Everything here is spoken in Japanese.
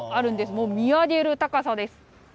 もう見上げる高さです。